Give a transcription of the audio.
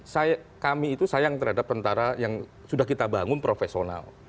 saya kami itu sayang terhadap tentara yang sudah kita bangun profesional